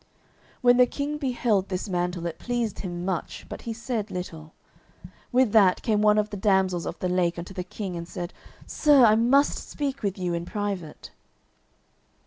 When the King beheld this mantle it pleased him much, but he said little. With that came one of the Damsels of the Lake unto the King and said, "Sir, I must speak with you in private."